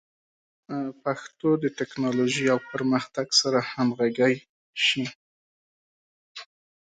پښتو د ټکنالوژۍ او پرمختګ سره همغږي شي.